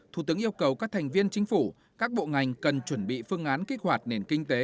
thủ tướng yêu cầu các thành viên chính phủ các bộ ngành cần chuẩn bị phương án kích hoạt nền kinh tế